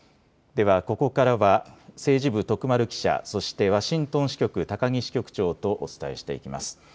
ではここからは政治部徳丸記者、そしてワシントン支局高木支局長とお伝えしていきます。